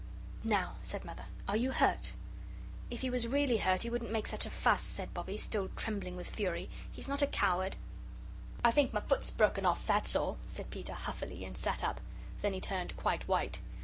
"Now," said Mother, "are you hurt?" "If he was really hurt, he wouldn't make such a fuss," said Bobbie, still trembling with fury; "he's not a coward!" "I think my foot's broken off, that's all," said Peter, huffily, and sat up. Then he turned quite white.